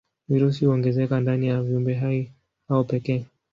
Virusi huongezeka ndani ya viumbehai hao pekee.